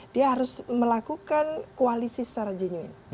dia harus melakukan koalisi secara jenuin